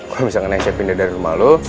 kalo misalkan aisyah pindah dari rumah lo